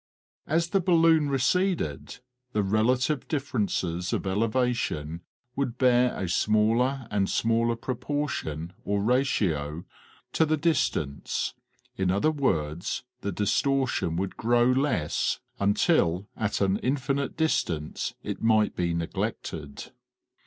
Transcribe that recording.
As the balloon receded, the relative differences of elevation would bear a smaller and smaller proportion or ratio to the dis tance, in other words, the distortion would grow less until at an infinite distance it might be neglected.